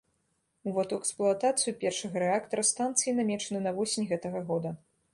Увод у эксплуатацыю першага рэактара станцыі намечаны на восень гэтага года.